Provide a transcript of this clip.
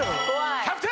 キャプテン！